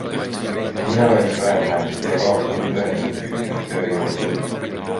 Millal võiks öelda, et Euroopas on tõeliselt ühtne tööjõuturg?